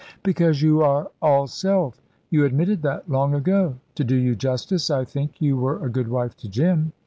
"Because you are all self you admitted that long ago. To do you justice, I think you were a good wife to Jim."